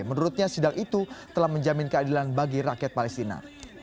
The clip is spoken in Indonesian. menurutnya sidang itu telah menjamin keadilan bagi rakyat palestina